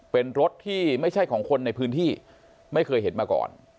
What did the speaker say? เป็นรถที่ไม่ใช่ของคนในพื้นที่ไม่เคยเห็นมาก่อน